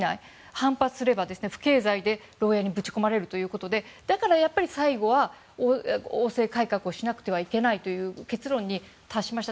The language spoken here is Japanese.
反発すれば不敬罪で牢屋にぶち込まれるということでだから最後は王政改革をしなければいけないという結論に達しました。